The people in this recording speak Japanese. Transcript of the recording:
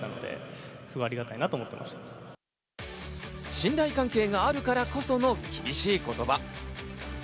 信頼関係があるからこその厳しい言葉。